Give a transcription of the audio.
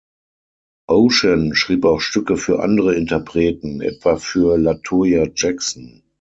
Ocean schrieb auch Stücke für andere Interpreten, etwa für La Toya Jackson.